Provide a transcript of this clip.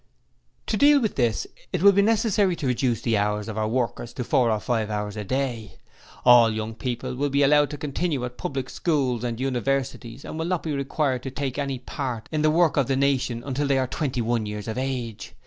'To deal with this, it will be necessary to reduce the hours of our workers to four or five hours a day... All young people will be allowed to continue at public schools and universities and will not be required to take any part in the work or the nation until they are twenty one years of age.